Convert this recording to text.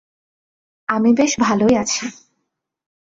আমি বেশ ভালোই আছি।